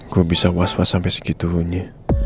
gue bisa was was sampe segitunya